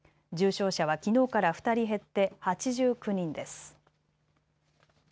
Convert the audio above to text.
重症者はきのうから２人減って８９人です。